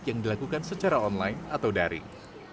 yang dilakukan secara online atau daring